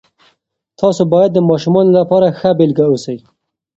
تاسې باید د ماشومانو لپاره ښه بیلګه اوسئ.